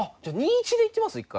じゃあ２：１でいきます？